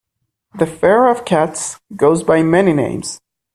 The fur of cats goes by many names.